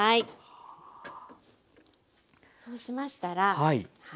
そうしましたら。